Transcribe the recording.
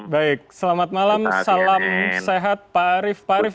baik selamat malam salam sehat pak arief